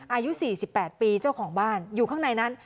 อายุ๔๘ปีเจ้าของบ้านอยู่ข้างในนั้น